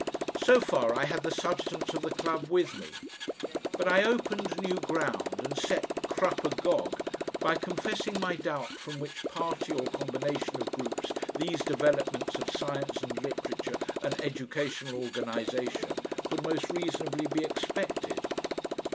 So far I had the substance of the club with me, but I opened new ground and set Crupp agog by confessing my doubt from which party or combination of groups these developments of science and literature and educational organisation could most reasonably be expected.